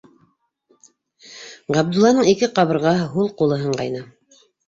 Ғабдулланың ике ҡабырғаһы, һул ҡулы һынғайны.